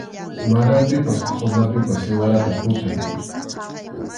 Maranpipas qhunapipas siwarata kutay.